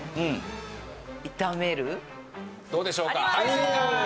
どうでしょうか？